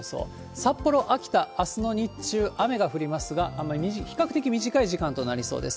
札幌、秋田、あすの日中雨が降りますが、比較的短い時間となりそうです。